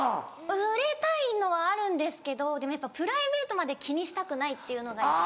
売れたいのはあるんですけどでもやっぱプライベートまで気にしたくないっていうのが一番で。